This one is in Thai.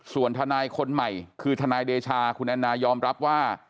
ส่วนทนายคนใหม่คือทนายเดชาคุณแอนนายอมรับว่า